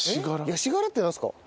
ヤシ殻ってなんですか？